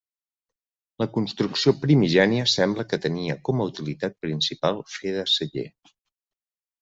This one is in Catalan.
La construcció primigènia sembla que tenia com a utilitat principal fer de celler.